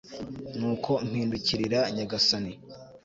nuko mpindukirira nyagasani